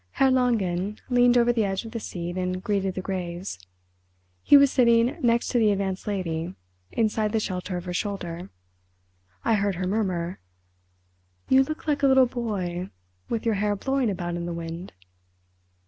Herr Langen leaned over the edge of the seat and greeted the graves. He was sitting next to the Advanced Lady—inside the shelter of her shoulder. I heard her murmur: "You look like a little boy with your hair blowing about in the wind."